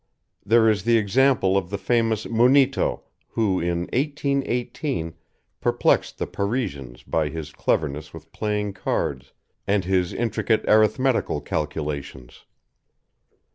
There is the example of the famous Munito, who in 1818 perplexed the Parisians by his cleverness with playing cards and his intricate arithmetical calculations.